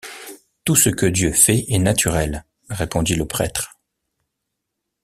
Tout ce que Dieu fait est naturel, répondit le prêtre.